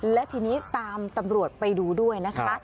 และทีนี้ตามตำรวจไปดูด้วยนะคะ